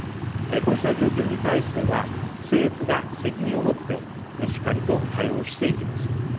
こうした状況に対しては政府が責任を持ってしっかりと対応していきます。